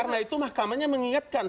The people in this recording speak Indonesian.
karena itu mahkamahnya mengingatkan